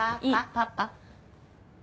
パパ。